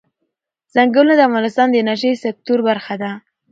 ځنګلونه د افغانستان د انرژۍ سکتور برخه ده.